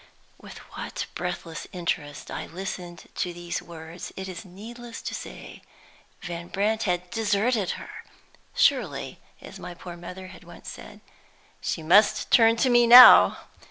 With what breathless interest I listened to these words it is needless to say. Van Brandt had deserted her! Surely (as my poor mother had once said) "she must turn to me now."